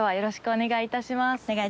お願い致します。